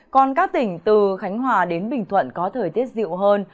còn các tỉnh từ khánh hòa đến bình thuận có thời tiết dịu hơn